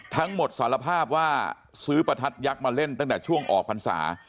สารภาพว่าซื้อประทัดยักษ์มาเล่นตั้งแต่ช่วงออกพรรษา